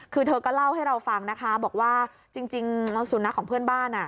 คือเธอก็เล่าให้เราฟังนะคะบอกว่าจริงสุนัขของเพื่อนบ้านอ่ะ